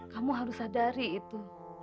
kamu harus sadari itu